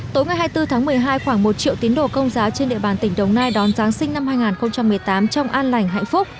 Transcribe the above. tối ngày hai mươi bốn tháng một mươi hai khoảng một triệu tín đồ công giáo trên địa bàn tỉnh đồng nai đón giáng sinh năm hai nghìn một mươi tám trong an lành hạnh phúc